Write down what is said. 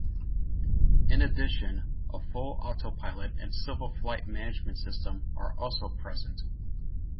In addition, a full autopilot and civil flight management system are also present.